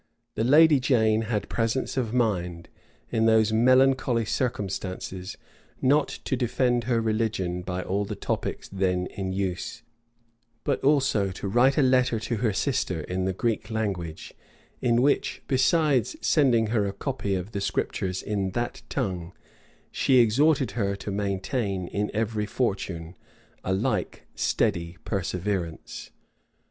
The lady Jane had presence of mind, in those melancholy circumstances, not only to defend her religion by all the topics then in use, but also to write a letter to her sister[v] in the Greek language; in which, besides sending her a copy of the Scriptures in that tongue, she exhorted her to maintain, in every fortune, a like steady perseverance.